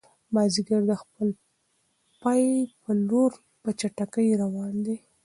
مازیګر د خپل پای په لور په چټکۍ روان دی.